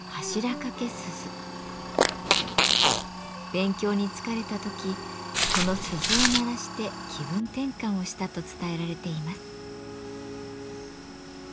勉強に疲れた時この鈴を鳴らして気分転換をしたと伝えられています。